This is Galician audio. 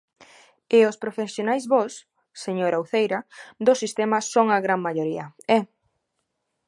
E os profesionais bos, señora Uceira, do sistema son a gran maioría, ¡eh!